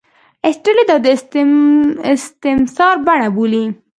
ایسټرلي دا د استثمار بڼه بولي.